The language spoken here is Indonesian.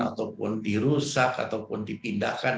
ataupun dirusak ataupun dipindahkan